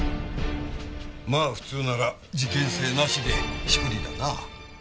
まあ普通なら事件性なしで処理だな。